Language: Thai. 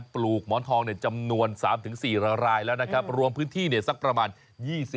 ปลูกหมอนทองเนี่ยจำนวน๓๔รายแล้วนะครับรวมพื้นที่เนี่ยสักประมาณ๒๐ไร่ได้